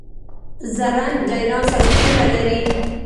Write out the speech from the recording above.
زرنج له ایران سره پوله لري.